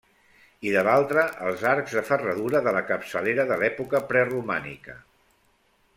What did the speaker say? I de l'altra, els arcs de ferradura de la capçalera de l'època preromànica.